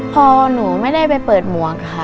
พอหนูไม่ได้ไปเปิดหมวกค่ะ